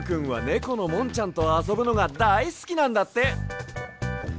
このもんちゃんとあそぶのがだいすきなんだって。